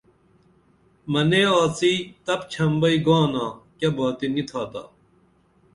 منےآڅی تپچھم بئی گانا کیہ باتی نی تھاتا